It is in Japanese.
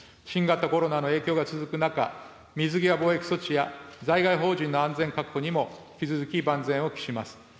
新型コロナの影響が続く中、水際防疫措置や、在外邦人の安全確保にも引き続き万全を期します。